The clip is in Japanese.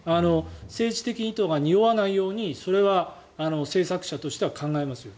政治的意図がにおわないようにそれは制作者としては考えますよ。